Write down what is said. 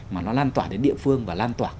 mà nó lan tỏa đến địa phương và lan tỏa